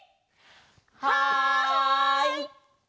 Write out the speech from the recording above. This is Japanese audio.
はい！